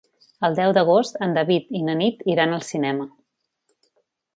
El deu d'agost en David i na Nit iran al cinema.